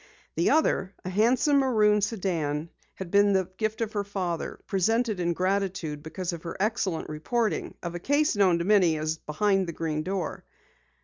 The other, a handsome maroon sedan, had been the gift of her father, presented in gratitude because of her excellent reporting of a case known to many as Behind the Green Door.